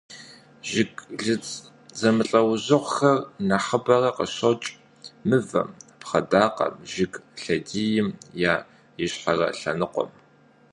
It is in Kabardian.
Жыглыц зэмылӀэужьыгъуэхэр нэхъыбэрэ къыщокӀ мывэм, пхъэдакъэм, жыг лъэдийм я ищхъэрэ лъэныкъуэм.